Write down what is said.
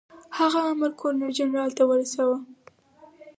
هغه امر ګورنر جنرال ته واستاوه.